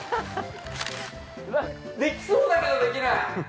◆できそうだけど、できない。